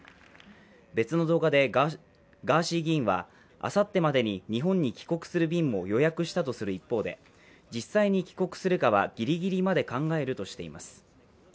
別の動画でガーシー議員はあさってまでに日本に帰国する便も予約したとする一方で実際に帰国するかはギリギリまで考えるとしています。